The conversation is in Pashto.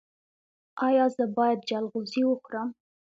ایا زه باید جلغوزي وخورم؟